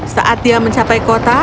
saat game mencapai kota